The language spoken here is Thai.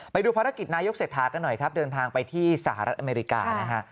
ไปดูภารกิจนายกเศรษฐากันหน่อยครับเดินทางไปที่สหรัฐอเมริกานะฮะ